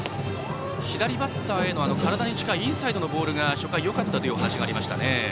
左バッターへのインサイドのボールが初回、よかったというお話がありましたね。